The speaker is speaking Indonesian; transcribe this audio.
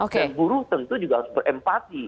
dan buruh tentu juga harus berempati